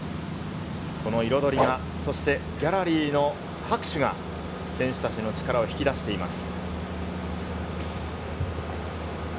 この彩りが、そしてギャラリーの拍手が選手たちの力を引き出しています。